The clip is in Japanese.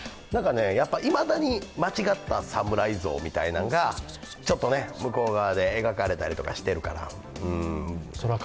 いまだに間違った侍像みたいなのがちょっと向こう側で描かれたりしてるから。